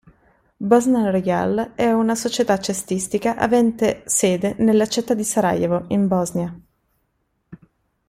Bosna Royal è una società cestistica avente sede nella città di Sarajevo, in Bosnia.